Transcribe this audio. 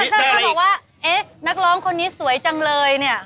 ถ้าบอกว่าเอ๊ะนักร้องคนนี้สวยจังเลยเนี่ย